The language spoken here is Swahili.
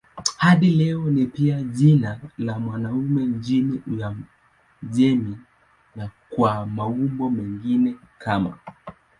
Hadi leo ni pia jina la wanaume nchini Uajemi na kwa maumbo mengine kama